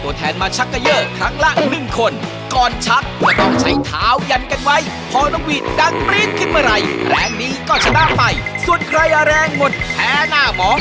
ส่วนใครแอรงหมดแพ้หน้าหมอ